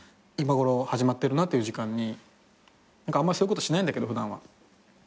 今ごろ始まってるなっていう時間にあんまそういうことしないんだけど普段は。